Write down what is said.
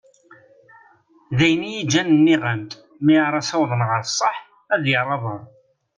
D ayen iyi-ǧǧan nniɣ-am-d mi ara ad as-awḍen ɣer sseḥ ad yerr aḍar.